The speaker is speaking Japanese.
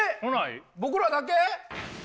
僕らだけ？